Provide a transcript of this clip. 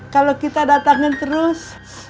kalau kita datangin terus